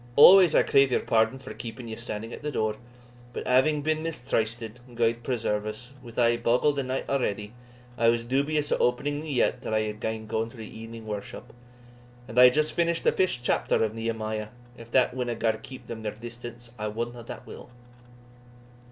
Always, I crave your pardon for keeping ye standing at the door, but having been mistrysted (gude preserve us!) with ae bogle the night already, I was dubious o' opening the yett till I had gaen through the e'ening worship; and I had just finished the fifth chapter of Nehemiah if that winna gar them keep their distance, I wotna what will."